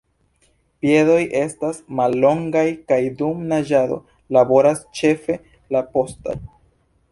Piedoj estas mallongaj kaj dum naĝado laboras ĉefe la postaj.